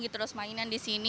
terus mainan di sini